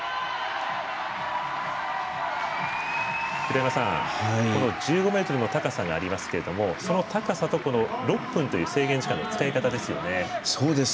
平山さん、１５ｍの高さがありますけれどもその高さと、６分という制限時間の使い方ですよね。